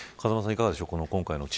いかがでしょう。